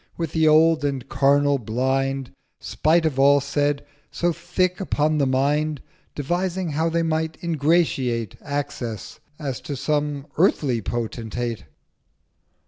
with the old and carnal Blind, Spite of all said, so thick upon the Mind, Devising how they might ingratiate Access, as to some earthly Potentate.